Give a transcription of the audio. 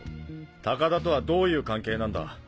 高田とはどういう関係なんだ？